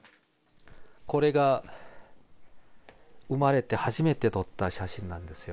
これが、生まれて初めて撮った写真なんですよ。